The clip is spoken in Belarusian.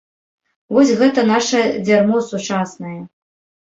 Вось гэта наша дзярмо сучаснае.